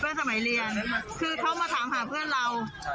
คือเขามาถามหาเพื่อนเรา